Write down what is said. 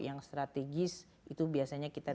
yang strategis itu biasanya kita